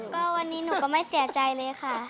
ก็วันนี้หนูก็ไม่เสียใจเลยค่ะ